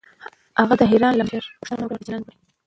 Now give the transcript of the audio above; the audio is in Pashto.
هغه د ایران له ولسمشر غوښتنه وکړه ورته چلند وکړي.